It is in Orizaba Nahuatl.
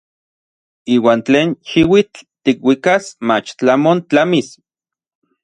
Iuan tlen xiuitl tikuikas mach tlamon tlamis.